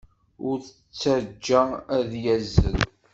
Ur t-ttajja ad yazzel.